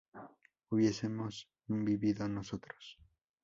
¿hubiésemos vivido nosotros?